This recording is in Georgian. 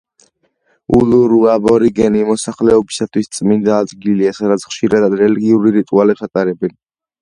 ულურუ აბორიგენი მოსახლეობისათვის წმინდა ადგილია, სადაც ხშირად რელიგიურ რიტუალებს ატარებენ.